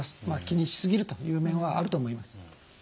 気にし過ぎるという面はあると思います。